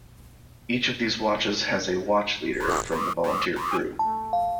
Each of these watches has a Watch Leader from the volunteer crew.